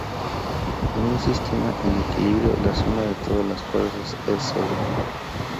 En un sistema en equilibrio la suma de todas las fuerzas es cero.